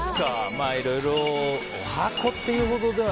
いろいろおはこっていうほどでは。